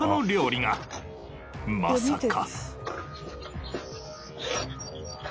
まさか。